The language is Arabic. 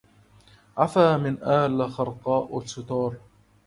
عفا من آل خرقاء الستار